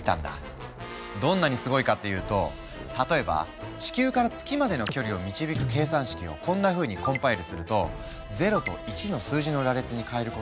どんなにすごいかっていうと例えば地球から月までの距離を導く計算式をこんなふうにコンパイルすると０と１の数字の羅列に変えることに成功。